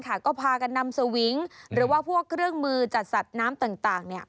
ค่ะก็พากันนำหรือว่าพวกเครื่องมือจัดสัดน้ำต่างต่างเนี่ย